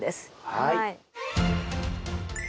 はい。